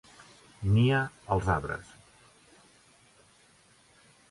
Nia als arbres.